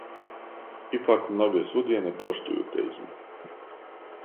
Ипак, многе судије не поштује те измене.